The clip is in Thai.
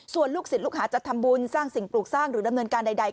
ส่วนลูกศิษย์ลูกหาจะทำบุญสร้างสิ่งปลูกสร้างหรือดำเนินการใด